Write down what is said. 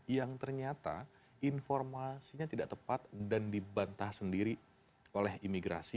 yang ternyata informasinya tidak tepat dan dibantah sendiri oleh imigrasi